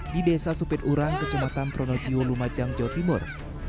di desa supiturang kecematan pronoviw lumajang jawa timur